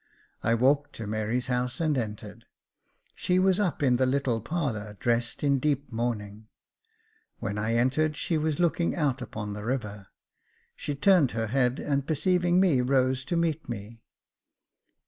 I walked to Mary's house and entered. She was up in the little Jacob Faithful 425 parlour, dressed in deep mourning 5 when I entered she was looking out upon the river , she turned her head, and perceiving me, rose to meet me.